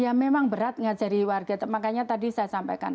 ya memang berat mengajari warga makanya tadi saya sampaikan